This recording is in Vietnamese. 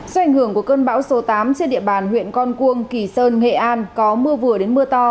do ảnh hưởng của cơn bão số tám trên địa bàn huyện con cuông kỳ sơn nghệ an có mưa vừa đến mưa to